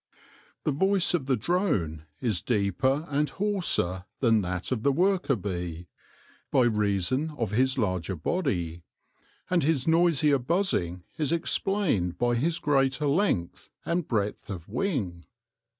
The voice of the drone is deeper and hoarser than that of the worker bee, by reason of his larger body ; and his noisier buzzing is explained by his greater length and breadth of wing.